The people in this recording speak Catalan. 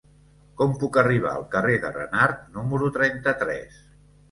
Com puc arribar al carrer de Renart número trenta-tres?